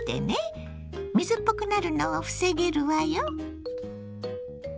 水っぽくなるのを防げるわよ。